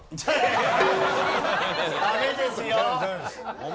ダメですよ！